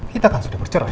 kita kan sudah bercerai